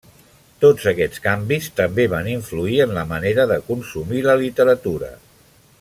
Tots aquests canvis també van influir en la manera de consumir la literatura.